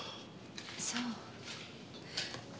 そう。